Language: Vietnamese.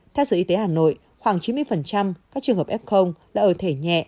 theo sở y tế hà nội khoảng chín mươi các trường hợp f là ở thể nhẹ